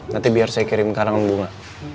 nanti biar saya kirim karangan bunga